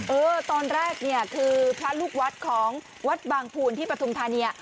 เออตอนแรกเนี่ยคือพระลูกวัดของวัดบางภูนที่ปฐุมธานี